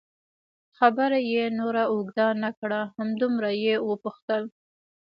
خبره یې نوره اوږده نه کړه، همدومره یې وپوښتل.